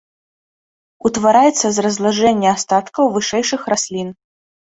Утвараецца з разлажэння астаткаў вышэйшых раслін.